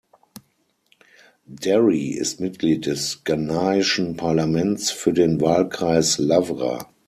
Derry ist Mitglied des ghanaischen Parlaments für den Wahlkreis Lawra.